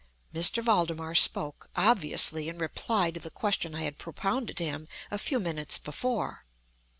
M. Valdemar spoke—obviously in reply to the question I had propounded to him a few minutes before.